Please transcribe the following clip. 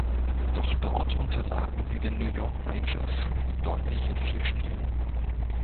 Doch dort unterlagen sie den New York Rangers deutlich in vier Spielen.